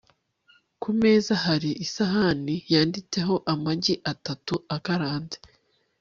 ku meza, hari isahani yanditseho amagi atatu akaranze